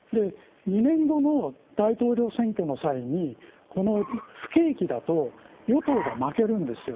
２年後の大統領選挙の際にこの不景気だと与党が負けるんですよ。